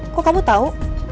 kok kamu tau